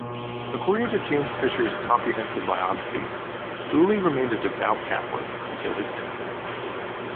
According to James Fisher's comprehensive biography, Dooley remained a devout Catholic until his death.